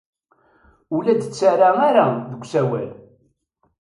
Ur la d-tettarra ara deg usawal.